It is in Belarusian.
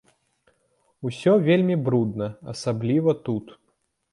Усё вельмі брудна, асабліва тут.